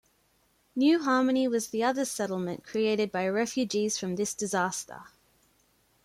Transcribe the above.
New Harmony was the other settlement created by refugees from this disaster.